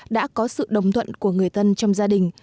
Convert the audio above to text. đã có sự đồng thuận của người thân trong gia đình